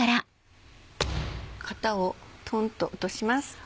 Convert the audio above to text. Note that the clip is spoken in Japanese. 型をトンと落とします。